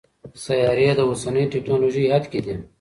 سیارې د اوسني ټکنالوژۍ حد کې دي.